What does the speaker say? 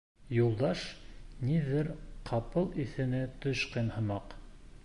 Юлдаш, ниҙер ҡапыл иҫенә төшкән һымаҡ: